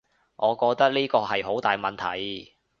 我覺得呢個係個好大問題